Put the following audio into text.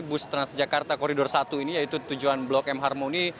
bus transjakarta koridor satu ini yaitu tujuan blok m harmoni